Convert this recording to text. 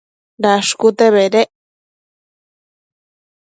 Dashcute bedec